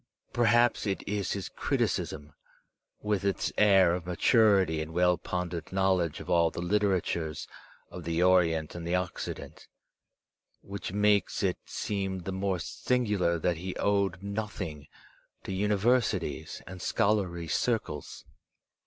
Perhaps it is his criticism, with its aur of maturity and well pondered knowledge of all the literatures of the Orient and the Occident, which makes it seem the more singular that he owed nothing to universities and scholarly circles.